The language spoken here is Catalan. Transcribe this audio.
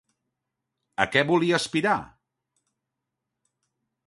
A què volia aspirar?